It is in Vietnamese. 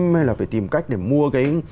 hay là phải tìm cách để mua